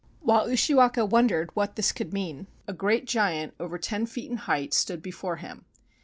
While Ushiwaka wondered what this could mean, a great giant over ten feet in height stood before him.